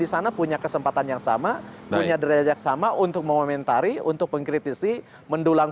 di sana punya kesempatan yang sama punya derajat yang sama untuk mengomentari untuk mengkritisi mendulang